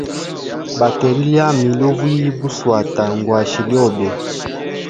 Bateri lyami lyo vuyia buswata, ngwashe lyobe.